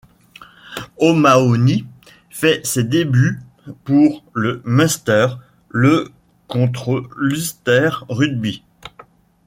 O'Mahony fait ses débuts pour le Munster le contre l'Ulster Rugby.